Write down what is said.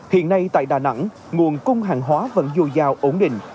hiện nay tại đà nẵng nguồn cung hàng hóa vẫn dồi dào ổn định